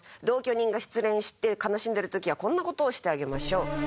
同居人が失恋して悲しんでる時はこんな事をしてあげましょう。